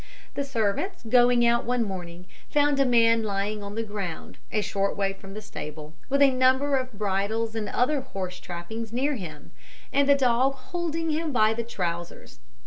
The servants, going out one morning, found a man lying on the ground, a short way from the stable, with a number of bridles and other horse trappings near him, and the dog holding him by the trousers.